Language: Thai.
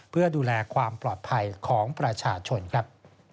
เพื่อดูแลความปลอดภัยของประชาชนครับ